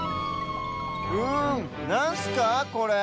うんなんすかこれ？